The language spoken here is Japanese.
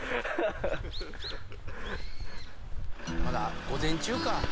「まだ午前中か」